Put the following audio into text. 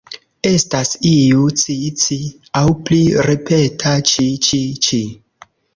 Estas iu "ci-ci" aŭ pli ripeta "ĉi-ĉi-ĉi".